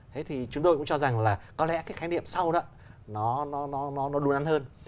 thế thì chúng tôi cũng cho rằng là có lẽ cái khái niệm sau đó nó đun hơn